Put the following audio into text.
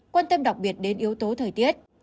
quan tâm đặc biệt đến yếu tố thời tiết